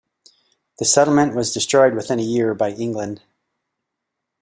The settlement was destroyed within a year by England.